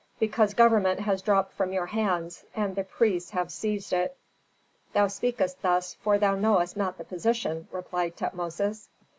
Because government has dropped from your hands, and the priests have seized it." "Thou speakest thus for thou knowest not the position," replied Tutmosis.